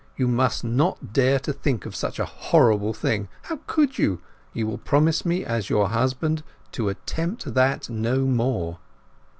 You must not dare to think of such a horrible thing! How could you! You will promise me as your husband to attempt that no more."